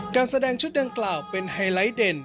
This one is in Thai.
การแสดงชุดดังกล่าวเป็นไฮไลท์เด่น